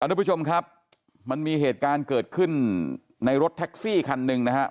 ทุกผู้ชมครับมันมีเหตุการณ์เกิดขึ้นในรถแท็กซี่คันหนึ่งนะฮะ